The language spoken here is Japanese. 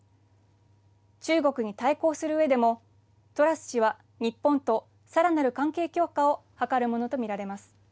中国に対抗するうえでもトラス氏は日本と、さらなる関係強化を図るものと見られます。